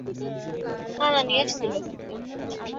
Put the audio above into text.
বাসনাশূন্য ব্যক্তিদের কর্মই মহৎ ফল প্রসব করে।